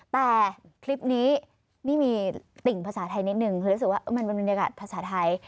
แต่คลิปนี้นี่มีติ่งภาษาไทยนิดนึงคือรู้สึกว่ามันเป็นบรรยากาศภาษาไทย